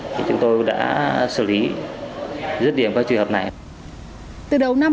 thì chúng tôi đã xử lý rất điểm qua truy hợp này